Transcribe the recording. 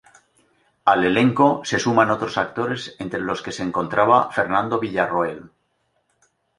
Al elenco se suman otros actores entre los que se encontraba Fernando Villarroel.